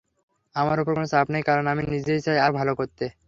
আমার ওপর কোনো চাপ নেই, কারণ আমি নিজেই চাই আরও ভালো করতে।